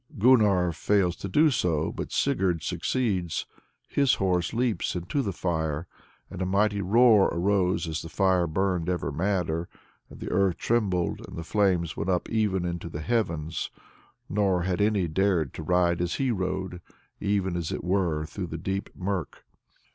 Gunnar fails to do so, but Sigurd succeeds; his horse leaps into the fire, "and a mighty roar arose as the fire burned ever madder, and the earth trembled, and the flames went up even unto the heavens, nor had any dared to ride as he rode, even as it were through the deep murk."